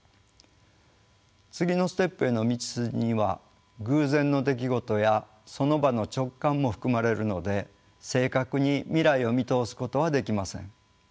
次のステップへの道筋には偶然の出来事やその場の直感も含まれるので正確に未来を見通すことはできません。